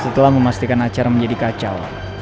setelah memastikan acara menjadi kacau